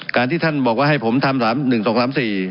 การที่ท่านบอกว่าให้ผมทำ๓๑๒๓๔